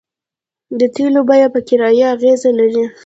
د تیلو بیه په کرایه اغیز لري